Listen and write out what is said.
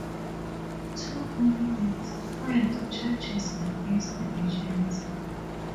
Two candidates filed charges against the agency.